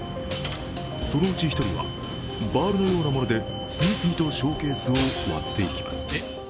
そのうち１人はバールのようなもので次々とショーケースを割っていきます。